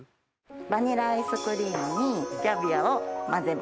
バニラアイスクリームにキャビアを混ぜます。